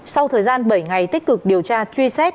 sau thời gian bảy ngày tích cực điều tra truy xét